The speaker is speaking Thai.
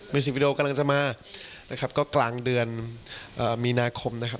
เป็นสิวิดีโอกำลังจะมานะครับก็กลางเดือนมีนาคมนะครับ